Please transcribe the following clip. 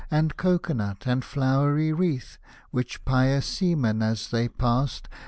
And cocoa nut and flowery wreath, Which pious seamen, as they passed.